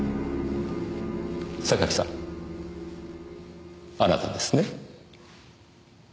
榊さんあなたですね？